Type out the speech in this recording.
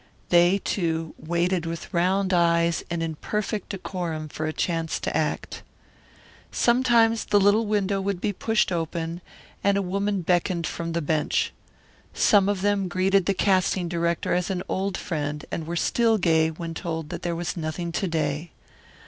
They, too, waited with round eyes and in perfect decorum for a chance to act. Sometimes the little window would be pushed open and a woman beckoned from the bench. Some of them greeted the casting director as an old friend and were still gay when told that there was nothing to day.